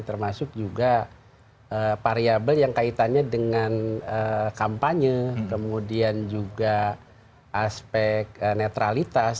termasuk juga variabel yang kaitannya dengan kampanye kemudian juga aspek netralitas